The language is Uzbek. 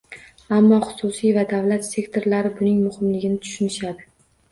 Ammo xususiy va davlat sektorlari buning muhimligini tushunishadi.